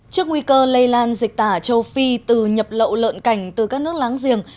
trước nguy cơ lây lan dịch tả châu phi từ nhập lậu lợn cảnh từ các nước láng giềng